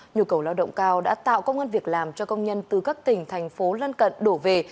nhu cầu lao động cao đã tạo công an việc làm cho công nhân từ các tỉnh thành phố lân cận đổ về